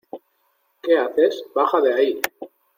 ¿ Qué haces? ¡ baja de ahí!